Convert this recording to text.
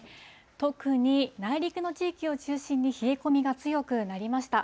特に内陸の地域を中心に冷え込みが強くなりました。